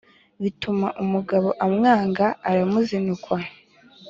Bituma umugabo amwanga aramuzinukwa